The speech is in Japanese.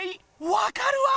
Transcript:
わかるわ！